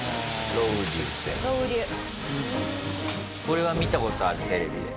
これは見た事あるテレビで。